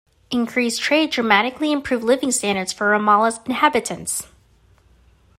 Increased trade dramatically improved living standards for Ramallah's inhabitants.